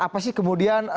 apa sih kemudian